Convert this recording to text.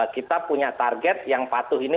kita punya target yang patuh ini